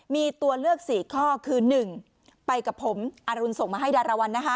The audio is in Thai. มีตัวเลือกสี่ข้อคือหนึ่งไปกับผมอารุณส่งมาให้ดารวัลนะคะ